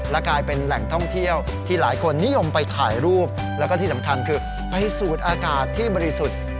และกลายเป็นแหล่งท่องเที่ยวที่หลายคนนิยมไปถ่ายรูปแล้วก็ที่สำคัญคือไปสูดอากาศที่บริสุทธิ์